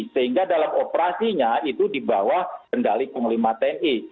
sehingga dalam operasinya itu dibawah kendali panglima tni